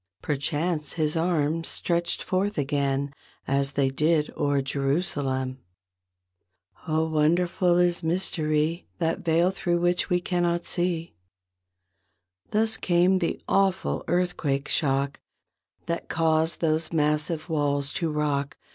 Perchance His arms stretched forth again As they did o'er Jerusalem. Oh, wonderful is mystery! That veil thro' which we cannot see. Thus came the awful earthquake shock That caused those massive walls to rock.